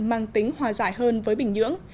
mang tính hòa giải hơn với bình nhưỡng